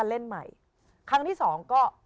เดิมห์ลองนะ